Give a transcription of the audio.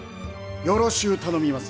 よろしう頼みます。